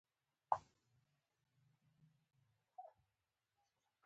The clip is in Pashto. چي یې وکتل منګول ته خامتما سو